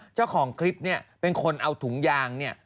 เจ้าของคลิปเนี่ยเป็นคนเอาถุงยางเนี่ย